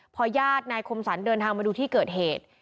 พอญาตินายคมสรรเดินทางมาดูที่เกิดเหตุ